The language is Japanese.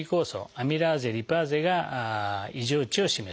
アミラーゼリパーゼが異常値を示す。